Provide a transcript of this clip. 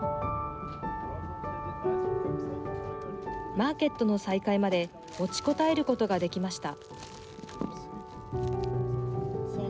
マーケットの再開まで持ちこたえることができました。